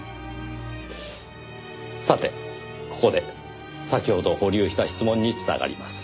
さてここで先ほど保留した質問に繋がります。